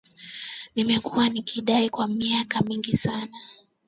Nimekuwa nikiandika kwa miaka mingi sana